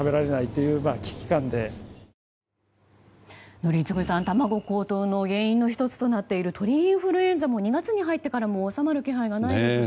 宜嗣さん卵高騰の原因の１つとなっている鳥インフルエンザも２月に入ってからも収まる気配がないですし。